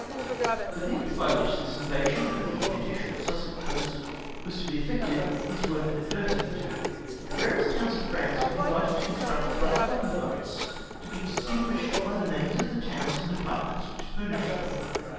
The means by which this mvasion of the Kentish or Sussex coast was to be effected is worth adverting to. The various towns of France were invited to construct flat bottomed boats, to be distinguished by the names of the towns and departments which furnished them.